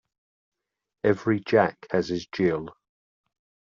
Every Jack has his Jill.